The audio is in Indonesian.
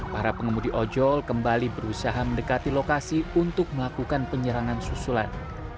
para pengemudi ojol kembali berusaha mendekati lokasi untuk melakukan penyerangan susulan